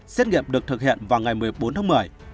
xét nghiệm được thực hiện vào ngày một mươi bốn tháng một mươi